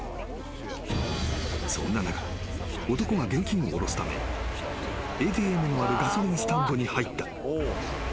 ［そんな中男が現金を下ろすためＡＴＭのあるガソリンスタンドに入った］